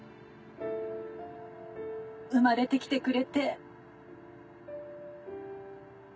生まれてきてくれて。